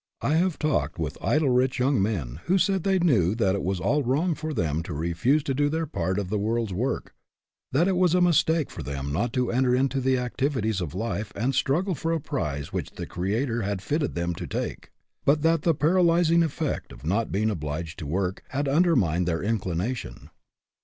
I have talked with idle rich young men who said they knew that it was all wrong for them to refuse to do their part of the world's work; that it was a mistake for them not to enter into the activities of life and struggle for a prize which the Creator had fitted them to take; but that the paralyzing effect of not being obliged to work had under mined their inclination.